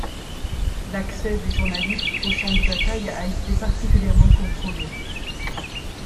L’accès des journalistes aux champs de bataille a été particulièrement contrôlé.